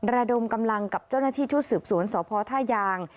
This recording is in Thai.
ระดมกำลังกับเจ้าหน้าที่ชุดสืบสวนสพท่ายาง